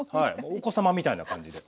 お子さまみたいな感じで。